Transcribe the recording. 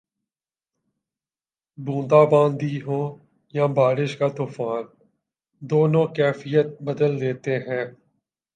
بوندا باندی ہو یا بارش کا طوفان، دونوں کیفیت بدل دیتے ہیں